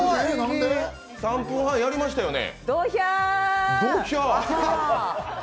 ３分半やりましたよね？